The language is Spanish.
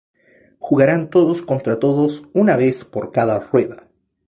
Jugaran todos contra todos una vez por cada rueda.